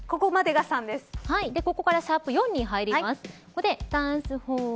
ここから♯４に入ります。